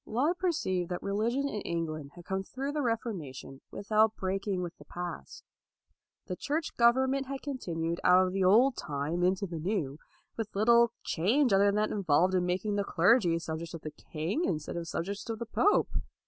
Laud perceived that religion in England had come through the Refor mation without breaking with the past. The Church government had continued out of the old time into the new, with little change other than that involved in making the clergy subjects of the king instead of subjects of the pope.